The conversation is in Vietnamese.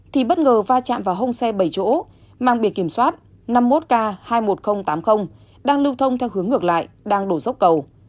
thì bất ngờ va chạm vào hông xe bảy chỗ mang bìa kiểm soát năm mươi một k hai mươi một nghìn tám mươi đang lưu thông theo hướng ngược lại đang đổ dốc cầu